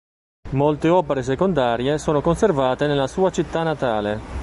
Molte opere secondarie sono conservate nella sua città natale.